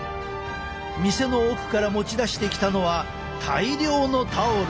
店の奥から持ち出してきたのは大量のタオル。